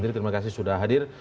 terima kasih sudah hadir